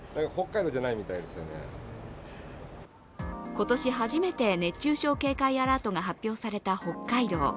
今年初めて熱中症警戒アラートが発表された北海道。